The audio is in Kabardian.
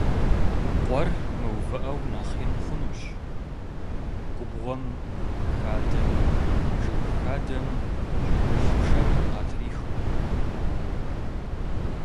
Къуэр мыувыӀэу нэхъ ин хъунущ, губгъуэм, хадэм, жыг хадэм щӀыгулъ пшэрыр къатрихыурэ.